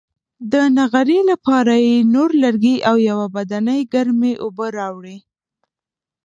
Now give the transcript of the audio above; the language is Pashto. د نغري لپاره یې نور لرګي او یوه بدنۍ ګرمې اوبه راوړې.